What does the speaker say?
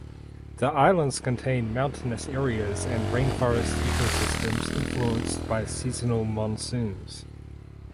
The islands contain mountainous areas and rainforest ecosystems influenced by seasonal monsoons.